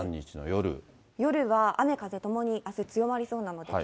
夜は雨、風ともにあす強まりそうなので。